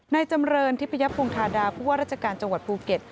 จำเรินทิพยพงธาดาผู้ว่าราชการจังหวัดภูเก็ต